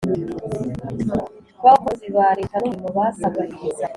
w Abakozi ba Leta n Umurimo basabwe kubahiriza